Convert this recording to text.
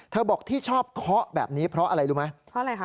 บอกที่ชอบเคาะแบบนี้เพราะอะไรรู้ไหมเพราะอะไรคะ